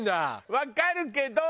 わかるけど。